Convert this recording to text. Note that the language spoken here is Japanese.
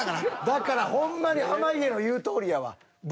だからほんまに濱家の言うとおりやわ。